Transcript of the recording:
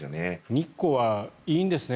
日光はいいんですね。